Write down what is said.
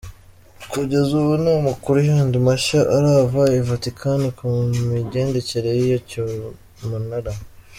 Kugeza ubu nta makuru yandi mashya arava I Vatican ku migendekere y’iyo cyamunara.